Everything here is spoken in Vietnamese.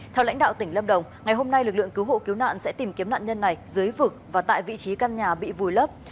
theo lãnh đạo tỉnh lâm đồng ngày hôm nay lực lượng cứu hộ cứu nạn sẽ tìm kiếm nạn nhân này dưới vực và tại vị trí căn nhà bị vùi lấp